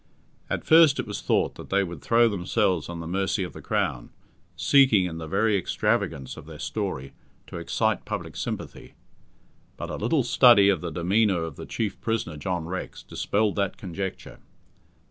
At first it was thought that they would throw themselves on the mercy of the Crown, seeking, in the very extravagance of their story, to excite public sympathy; but a little study of the demeanour of the chief prisoner, John Rex, dispelled that conjecture.